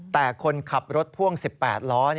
แต่คนขับรถพ่วง๑๘ล้อ